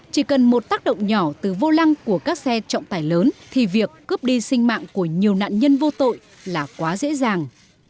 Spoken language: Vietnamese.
chỉ cần một tác động nhỏ từ vô lăng của các xe trọng tài lớn thì việc cướp đi sinh mạng của nhiều nạn nhân vô tội là quá dễ dàng